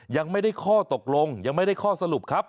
ยังไม่ได้ข้อตกลงยังไม่ได้ข้อสรุปครับ